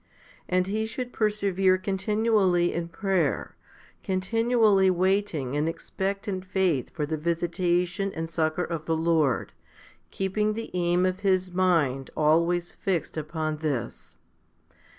And he should persevere continually in prayer, continually waiting in ex pectant faith for the visitation and succour of the Lord, keeping the aim of his mind always fixed upon this.